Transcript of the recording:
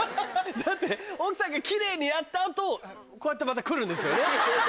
だって奥さんが奇麗にやった後こうやってまた来るんですよね。